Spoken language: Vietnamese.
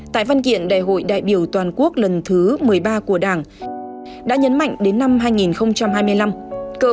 tại văn kiện đại hội đại biểu toàn quốc lần thứ một mươi ba của đảng đã nhấn mạnh đến năm hai nghìn hai mươi năm cơ bản sử dụng lực lượng công an nhân dân luôn được đảng nhà nước đặc biệt quan tâm